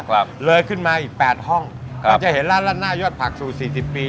ครับเลยขึ้นมาอีกแปดห้องครับก็จะเห็นร้านราดหน้ายอดผักสูตรสี่สิบปี